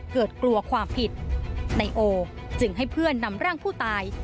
กลัวความผิดไนโอจึงให้เพื่อนนำร่างผู้ตาย